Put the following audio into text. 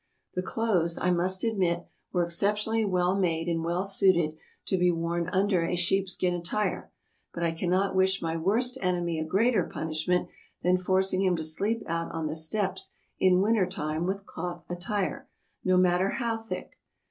The clothes, I must admit, were exceptionally well made and well suited to be worn under a sheepskin attire ; but I cannot wish my worst enemy a greater punishment than forcing him to sleep out on the steppes in winter time with mere cloth attire, no matter how thick.